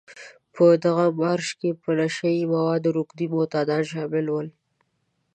په دغه مارش کې په نشه يي موادو روږدي معتادان شامل وو.